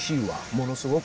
ものすごく。